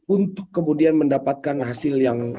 untuk kemudian mendapatkan hasil yang